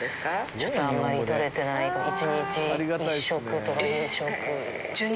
ちょっとあんまりとれてないかも一日１食とか２食